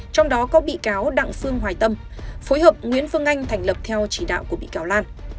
trong đó có bị cáo đặng phương hoài tâm phối hợp nguyễn phương anh thành lập theo chỉ đạo của bị cáo lan